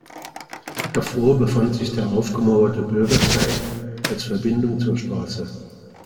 Davor befand sich der aufgemauerte Bürgersteig als Verbindung zur Straße.